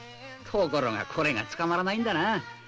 「ところがこれが捕まらないんだな」